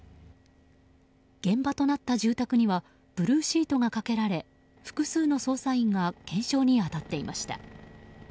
現場となった住宅にはブルーシートがかけられ複数の捜査員が検証に当たっていました。